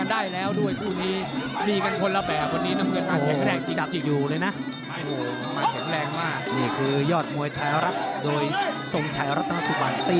นี่คือยอดมวยแถลรับโดยส่งขัดแถลรับนะสุ่มัน